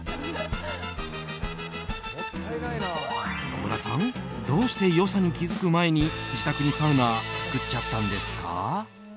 野村さんどうして良さに気づく前に自宅にサウナ作っちゃったんですか？